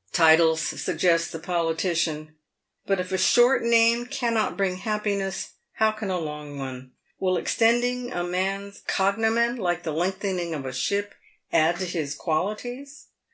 " Titles," suggests the politician. But if a short name cannot bring happiness, how can a long one ?— will extending a man's cogno men, like the lengthening of a ship, add to his qualities